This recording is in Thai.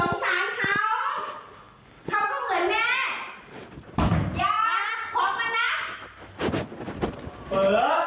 สงสารเขาเขาก็เหมือนแม่อย่าขอมานะ